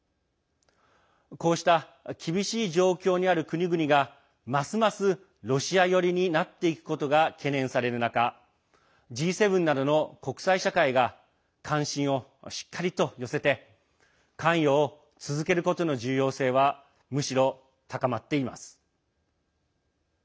こうした厳しい状況にある国々がますます、ロシア寄りになっていくことが懸念される中Ｇ７などの国際社会が関心をしっかりと寄せて関与を続けることの重要性はむしろ高まっています。